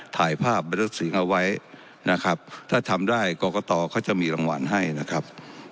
ถ่ายภาพบรรทัศสินเอาไว้นะครับถ้าทำได้กรกตเขาจะมีรางวัลให้นะครับ